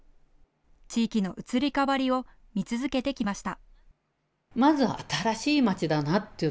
地域の移り変わりを見続けてきました。